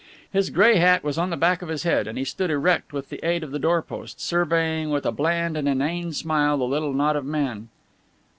His grey hat was on the back of his head and he stood erect with the aid of the door post, surveying with a bland and inane smile the little knot of men.